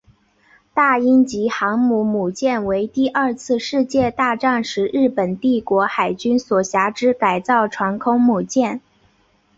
大鹰级航空母舰为第二次世界大战时日本帝国海军所辖之改造航空母舰。